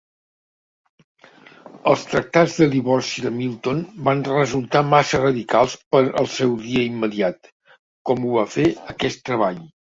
Els tractats de divorci de Milton van resultar massa radicals per al seu dia immediat, com ho va fer aquest treball.